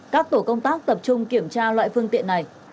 các tổ công tác tập trung kiểm tra loại phương tiện này